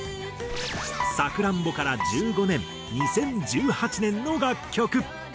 『さくらんぼ』から１５年２０１８年の楽曲。